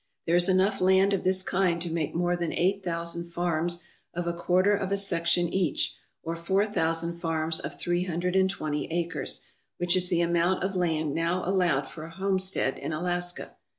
There is enough land of this kind to make more than eight thousand farms of a quarter of a section each, or four thousand farms of three hundred and twenty acres, which is the amount of land now al lowed for a homestead in Alaska.